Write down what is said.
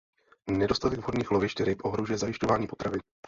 Nedostatek vhodných lovišť ryb ohrožuje zajišťování potravin.